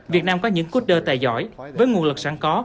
việt nam có những coder tài giỏi với nguồn lực sản có